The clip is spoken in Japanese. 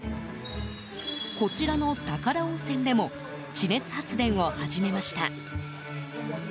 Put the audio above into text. こちらの宝温泉でも地熱発電を始めました。